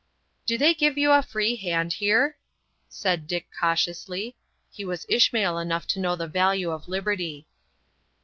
"Do they give you a free hand here?" said Dick, cautiously. He was Ishmael enough to know the value of liberty.